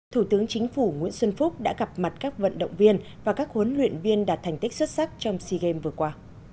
thủ tướng chính phủ nguyễn xuân phúc đã gặp mặt các vận động viên và các huấn luyện viên đạt thành tích xuất sắc trong sea games vừa qua